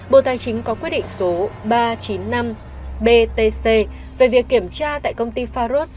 bộ tài chính có quyết định số ba trăm chín mươi năm btc về việc kiểm tra tại công ty faros